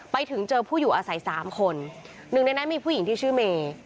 ไปเจอผู้อยู่อาศัย๓คนหนึ่งในนั้นมีผู้หญิงที่ชื่อเมย์